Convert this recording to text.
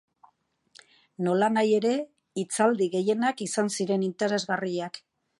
Nolanahi ere, hitzaldi gehienak izan ziren interesgarriak.